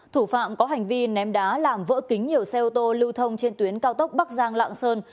thủ phạm có hành vi ném đá làm vỡ kính nhiều xe ô tô lưu thông trên tuyến cao tốc bắc giang lạng sơn